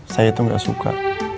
saya tuh gak suka